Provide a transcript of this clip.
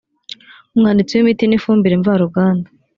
umwanditsi w imiti n ifumbire mvaruganda